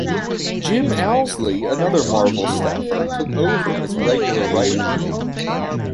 Jim Owsley, another Marvel staffer, took over as regular writer.